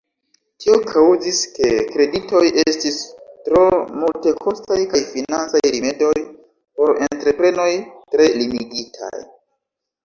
Tio kaŭzis, ke kreditoj estis tro multekostaj kaj financaj rimedoj por entreprenoj tre limigitaj.